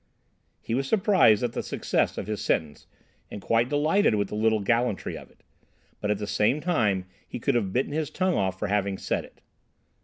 He was surprised at the success of his sentence, and quite delighted with the little gallantry of it. But at the same time he could have bitten his tongue off for having said it.